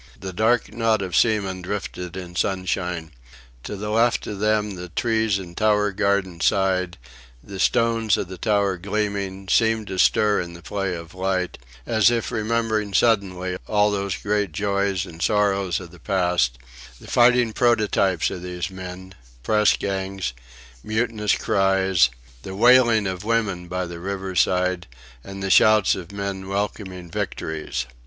The dark knot of seamen drifted in sunshine. To the left of them the trees in Tower Gardens sighed, the stones of the Tower gleaming, seemed to stir in the play of light, as if remembering suddenly all the great joys and sorrows of the past, the fighting prototypes of these men; press gangs; mutinous cries; the wailing of women by the riverside, and the shouts of men welcoming victories.